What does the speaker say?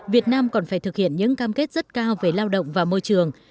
việt nam còn phải thực hiện những cam kết rất cao về lao động và môi trường